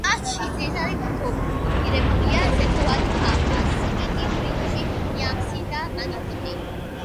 შტატში ძირითადად კულტივირებულია ზეთოვანი პალმა, სიმინდი, ბრინჯი, იამსი და მანიჰოტი.